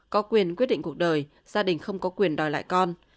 có quyền quyết định cuộc đời gia đình không có quyền đòi lại con